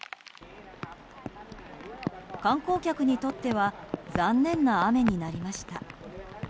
観光客にとっては残念な雨になりました。